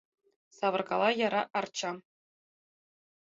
Савыркала яра арчам.